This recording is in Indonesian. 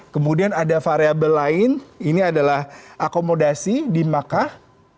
kemudian ada variable lain ini adalah akomodasi di makkah